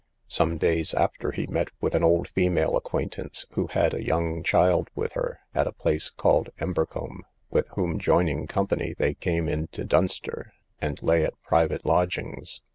Some days after he met with an old female acquaintance, who had a young child with her, at a place called Embercomb, with whom joining company, they came into Dunster, and lay at private lodgings.